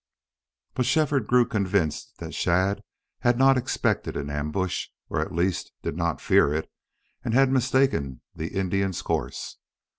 But Shefford grew convinced that Shadd had not expected an ambush, or at least did not fear it, and had mistaken the Indian's course.